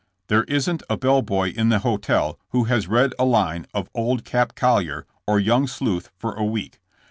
There isn't a bell boy in the hotel who has read a line of '*01d Cap Collier" or *' Young Sleuth" for a week.